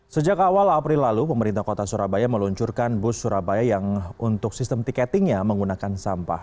sejak awal april lalu pemerintah kota surabaya meluncurkan bus surabaya yang untuk sistem tiketingnya menggunakan sampah